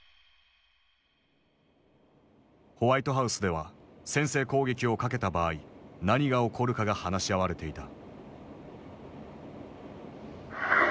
ホワイトハウスでは先制攻撃をかけた場合何が起こるかが話し合われていた。